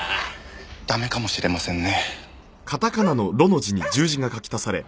ダメかもしれませんね。